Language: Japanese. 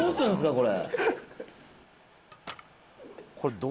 これ。